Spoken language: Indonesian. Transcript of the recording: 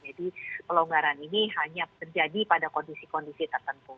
jadi pelonggaran ini hanya terjadi pada kondisi kondisi tertentu